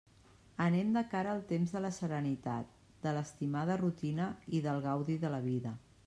Anem de cara al temps de la serenitat, de l'estimada rutina i del gaudi de la vida.